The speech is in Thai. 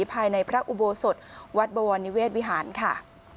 ภายในพระอุโบสถวัดบวรนิเวศวิหารค่ะ